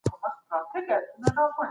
بهرنی سیاست مو پر تعصب او کيني ولاړ نه دی.